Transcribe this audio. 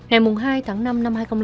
hẹn mùng hai tháng năm năm hai nghìn tám